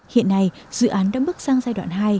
hiện nay dự án đã bước sang giai đoạn hai